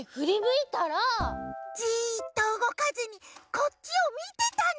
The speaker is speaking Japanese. じっとうごかずにこっちをみてたの！